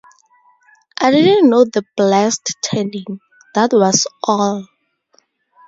I didn't know the blessed turning, that was all!